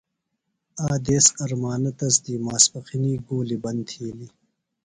آ دیس ارمانہ تس دی ماسپخنی گُولیۡ بند تِھیلیۡ۔